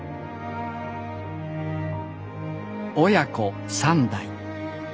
親子３代。